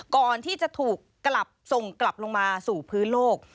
ก่อนที่จะถูกกลับส่งกลับลงมาสู่พื้นโลก